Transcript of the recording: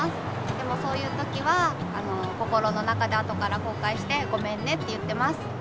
でもそういう時は心の中であとからこうかいしてごめんねって言ってます。